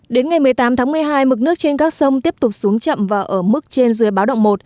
đến ngày một mươi tám tháng một mươi hai mực nước trên các sông tiếp tục xuống chậm và ở mức trên dưới báo động một